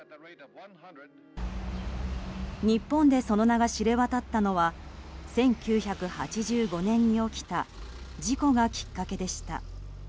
日本でその名が知れ渡ったのは１９８５年に起きた事故がきっかけでした。